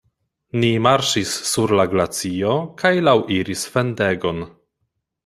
Ni marŝis sur la glacio kaj laŭiris fendegon.